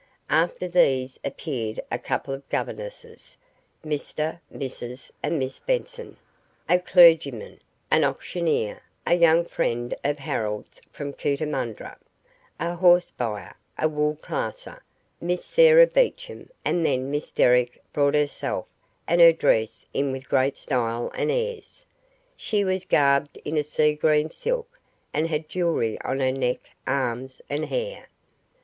After these appeared a couple of governesses, Mr, Mrs, and Miss Benson, a clergyman, an auctioneer, a young friend of Harold's from Cootamundra, a horse buyer, a wool classer, Miss Sarah Beecham, and then Miss Derrick brought herself and her dress in with great style and airs. She was garbed in a sea green silk, and had jewellery on her neck, arms, and hair.